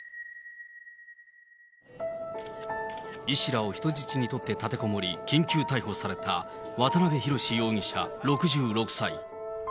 医師らを人質に取って立てこもり、緊急逮捕された渡辺宏容疑者６６歳。